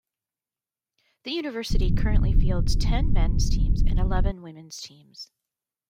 The University currently fields ten men's teams and eleven women's teams.